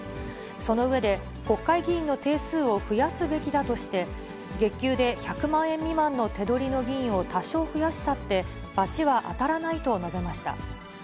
その上で、国会議員の定数を増やすべきだとして、月給で１００万円未満の手取りの議員を多少増やしたって、罰は当たらないと述べました。